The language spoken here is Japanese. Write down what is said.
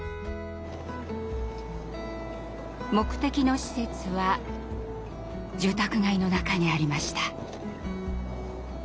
目的の施設は住宅街の中にありました。